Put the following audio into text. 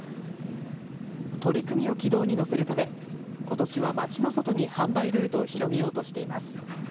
取り組みを軌道に乗せるためことしは町の外に販売ルートを広げようとしています。